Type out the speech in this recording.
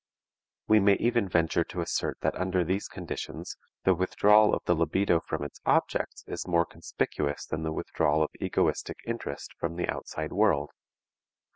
We may even venture to assert that under these conditions the withdrawal of the libido from its objects is more conspicuous than the withdrawal of egoistic interest from the outside world.